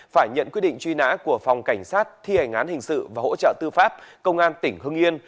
phải nhận quyết định truy nã của phòng cảnh sát thi hành án hình sự và hỗ trợ tư pháp công an tỉnh hưng yên